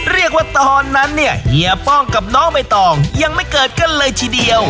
ตอนนั้นเนี่ยเฮียป้องกับน้องใบตองยังไม่เกิดกันเลยทีเดียว